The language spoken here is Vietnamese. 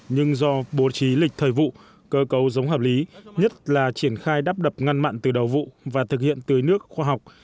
nhưng do bố trí lịch thời vụ cơ cấu giống hợp lý nhất là triển khai đắp đập ngăn mặn từ đầu vụ và thực hiện tưới nước khoa học